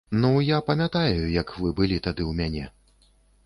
Ну, я памятаю, як вы былі тады ў мяне.